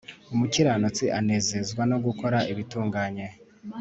Umukiranutsi anezezwa no gukora ibitunganye.